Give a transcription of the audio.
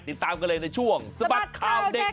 ติดตามกันเลยในช่วงสะบัดข่าวเด็ก